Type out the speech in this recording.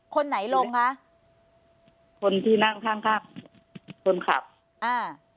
คนไหนลงคะคนที่นั่งข้างข้างคนขับอ่า